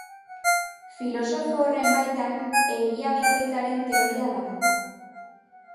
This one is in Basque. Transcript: Filosofo horren baitan egia bikoitzaren teoria dago.